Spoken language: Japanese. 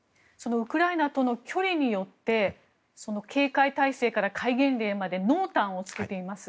ウクライナとの距離によって警戒体制から戒厳令まで濃淡をつけています。